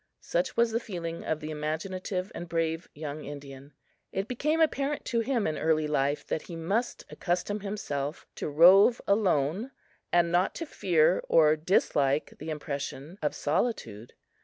Such was the feeling of the imaginative and brave young Indian. It became apparent to him in early life that he must accustom himself to rove alone and not to fear or dislike the impression of solitude.